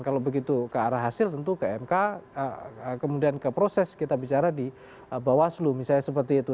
kalau begitu ke arah hasil tentu ke mk kemudian ke proses kita bicara di bawaslu misalnya seperti itu